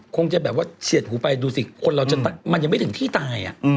คงจะแบบว่าเฉียดหูไปดูสิคนเรามันยังไม่ถึงที่ตาย